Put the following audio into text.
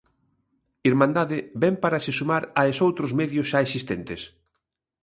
Irmandade vén para se sumar a esoutros medios xa existentes.